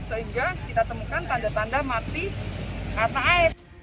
sehingga kita temukan tanda tanda mati karena air